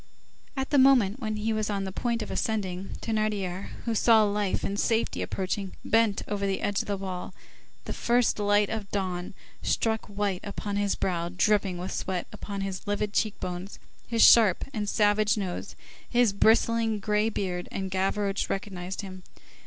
At the moment when he was on the point of ascending, Thénardier, who saw life and safety approaching, bent over the edge of the wall; the first light of dawn struck white upon his brow dripping with sweat, upon his livid cheek bones, his sharp and savage nose, his bristling gray beard, and Gavroche recognized him.